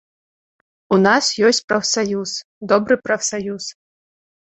У нас ёсць прафсаюз, добры прафсаюз.